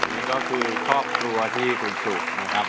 นี่ก็คือครอบครัวที่คุณสุนะครับ